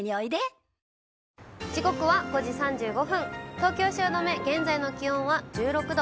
東京・汐留、現在の気温は１６度。